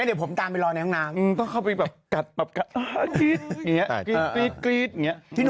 ดีได้แต่ยังไปกรี๊ด